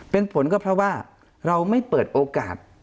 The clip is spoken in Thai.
เป็นผลก็เพราะว่าเราไม่เปิดโอกาส